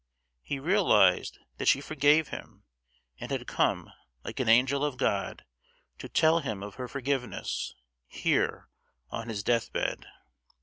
He realised that she forgave him, and had come, like an angel of God, to tell him of her forgiveness, here, on his deathbed.